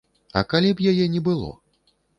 А калі б яе не было?